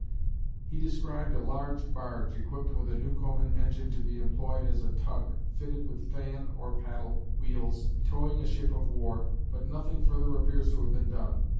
He described a large barge equipped with a Newcomen engine to be employed as a tug, fitted with fan (or paddle) wheels, towing a ship of war, but nothing further appears to have been done.